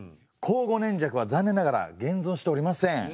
庚午年籍は残念ながら現存しておりません。